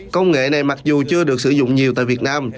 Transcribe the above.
công nghệ này mặc dù chưa được sử dụng nhiều tại việt nam